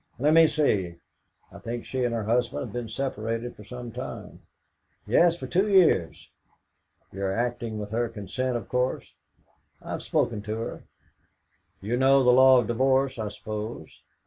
"Let me see: I think she and her husband have been separated for some time." "Yes, for two years." "You're acting with her consent, of course?" "I have spoken to her." "You know the law of divorce, I suppose?"